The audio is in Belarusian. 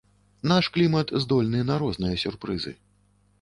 Наш клімат здольны на розныя сюрпрызы.